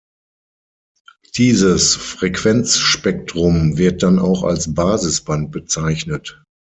Dieses Frequenzspektrum wird dann auch als Basisband bezeichnet.